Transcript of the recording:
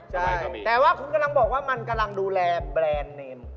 ใช่ก็มีแต่ว่าคุณกำลังบอกว่ามันกำลังดูแลแบรนด์เนม